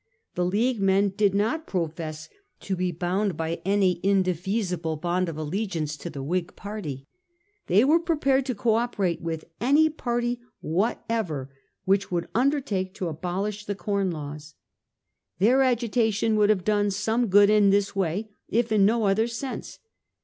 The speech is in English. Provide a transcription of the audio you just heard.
The League men did not profess to be bound by any indefeasible bond of allegiance to the Whig party. They were prepared to co operate with any party whatever which would undertake to abolish the Corn Laws. Their agitation would have done some good in this way, if in no other sense.